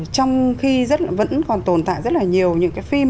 trong khi vẫn còn tồn tại rất là nhiều những cái phim